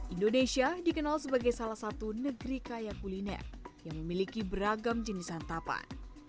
indonesia dikenal sebagai salah satu negeri kaya kuliner yang memiliki beragam jenis santapan